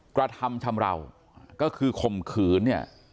กระทำชำราวก็คือข่มขืนเนี่ย